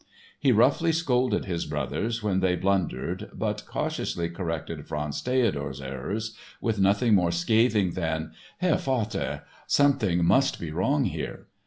He roughly scolded his brothers when they blundered, but cautiously corrected Franz Theodor's errors with nothing more scathing than: "Herr Vater, something must be wrong here."